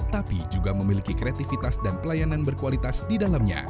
tapi juga memiliki kreativitas dan pelayanan berkualitas di dalamnya